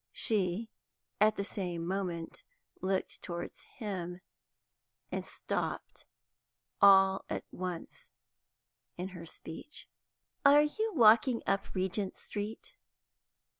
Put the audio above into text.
She, at the same moment, looked towards him, and stopped all at once in her speech. "Are you walking up Regent Street?"